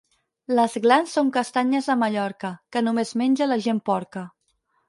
Les glans són castanyes de Mallorca, que només menja la gent porca.